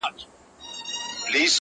• زه به هم درسره ځمه -